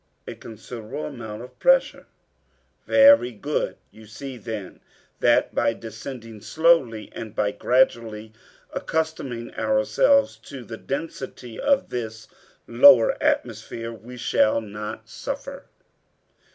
"A considerable amount of pressure." "Very good. You see, then, that by descending slowly, and by gradually accustoming ourselves to the density of this lower atmosphere, we shall not suffer."